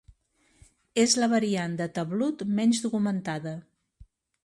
És la variant de tablut menys documentada.